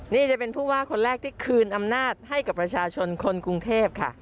นี่จะเป็นผู้ว่าคนแรกที่คืนอำนาจให้กับประชาชนคนกรุงเทพค่ะ